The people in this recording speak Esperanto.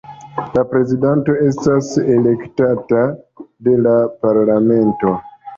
La prezidanto estas elektata de la parlamento.